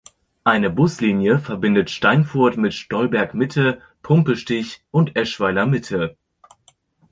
Eine Buslinie verbindet Steinfurt mit Stolberg-Mitte, Pumpe-Stich und Eschweiler-Mitte.